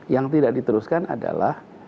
yang tidak diteruskan adalah